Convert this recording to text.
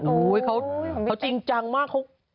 อู๋เขาจริงจังมาก